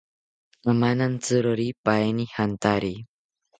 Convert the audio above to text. Amanantziroripaeni jantari